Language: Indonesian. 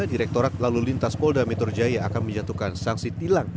direktorat lalu lintas polda mitur jaya akan menjatuhkan sanksi tilang